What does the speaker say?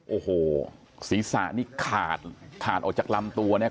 โอ้โหศีรษะนี่ขาดขาดออกจากลำตัวเนี่ย